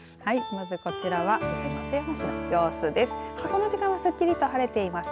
まずこちらは松山市の様子です。